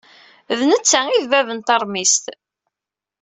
D netta ay d bab n teṛmist.